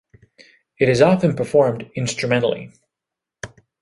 It is often performed instrumentally.